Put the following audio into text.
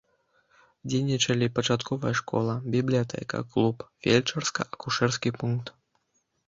Дзейнічалі пачатковая школа, бібліятэка, клуб, фельчарска-акушэрскі пункт.